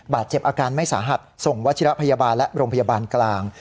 อาการไม่สาหัสส่งวัชิระพยาบาลและโรงพยาบาลกลาง